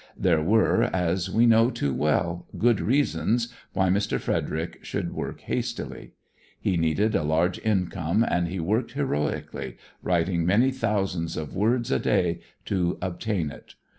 There were, as we know too well, good reasons why Mr. Frederic should work hastily. He needed a large income and he worked heroically, writing many thousands of words a day to obtain it.